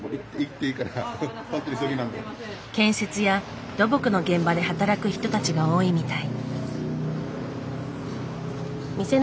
建設や土木の現場で働く人たちが多いみたい。